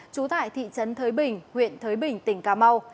trú tại thị trấn thới bình huyện thới bình tỉnh cà mau